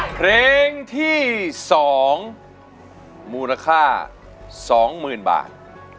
เพลงที่สองมูลค่าสองหมื่นบาท